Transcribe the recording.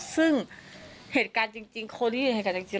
ซึ่งเหตุการณ์จริงคนที่อยู่ในเหตุการณ์จริง